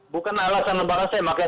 bukan alasan lebaran saya makanya